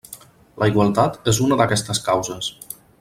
La igualtat és una d'aquestes causes.